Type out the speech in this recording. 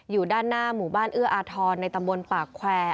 อยู่ด้านหน้าหมู่บ้านเอื้ออาทรในตำบลปากแควร์